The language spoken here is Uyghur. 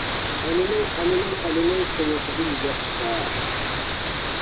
ئانىنىڭ. ئانىنىڭ. ئانىنىڭ. قۇيرۇقىدىن ياغ چىقار.